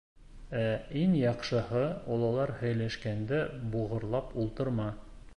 Ә иң яҡшыһы — ололар һөйләшкәндә буғырлап ултырма.